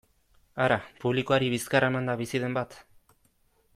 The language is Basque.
Hara, publikoari bizkarra emanda bizi den bat?